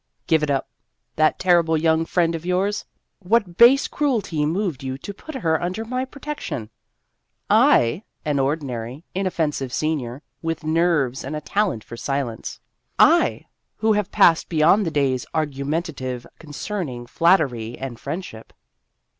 Give it up. That terrible young friend of yours ! What base cruelty moved you to put her under my protection ? I an ordinary, inoffensive senior, with nerves and a talent for silence. I who have passed beyond the days argumentative concerning flattery and friendship.